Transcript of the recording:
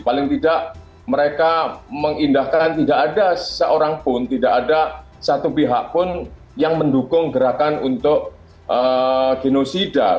paling tidak mereka mengindahkan tidak ada seorang pun tidak ada satu pihak pun yang mendukung gerakan untuk genosida